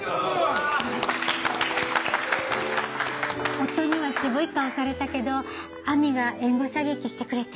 ・夫には渋い顔されたけど亜美が援護射撃してくれて。